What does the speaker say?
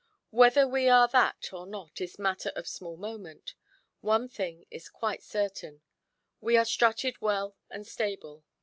Whether we are that, or not, is matter of small moment; one thing is quite certain, we are strutted well and stable.